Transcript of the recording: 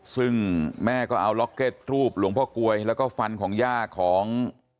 ซึ่งแม่ก็เอาล็อกเก็ตรูปหลวงพ่อกลวยแล้วก็ฟันของย่าของ